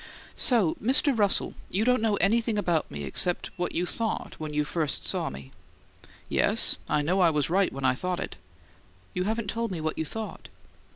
"So, Mr. Russell, you don't know anything about me except what you thought when you first saw me?" "Yes, I know I was right when I thought it." "You haven't told me what you thought."